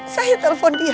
saya telepon dia